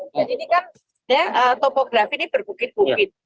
jadi ini kan topografi ini berbukit bukit